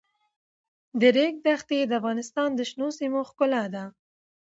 د ریګ دښتې د افغانستان د شنو سیمو ښکلا ده.